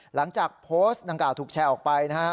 หลังจากโพสต์ดังกล่าวถูกแชร์ออกไปนะฮะ